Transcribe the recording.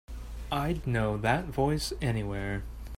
I'd know that voice anywhere.